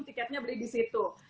tiketnya beli di situ